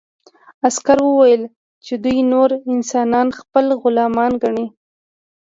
عسکر وویل چې دوی نور انسانان خپل غلامان ګڼي